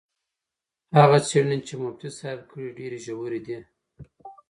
هغه څېړنې چې مفتي صاحب کړي ډېرې ژورې دي.